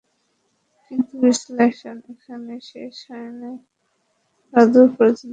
কিন্তু বিশ্লেষণ এইখানেই শেষ হয় নাই, আরও দূর পর্যন্ত অগ্রসর হইয়াছিল।